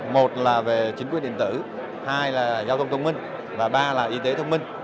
một là về chính quyền điện tử hai là giao thông thông minh và ba là y tế thông minh